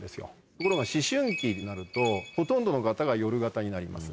ところが思春期になるとほとんどの方が夜型になります。